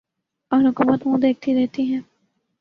اور حکومت منہ دیکھتی رہتی ہے